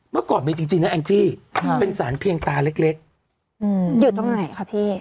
เมื่อก่อนมีจริงนะแองจี้เป็นสารเพียงตาเล็กอยู่ตรงไหนคะพี่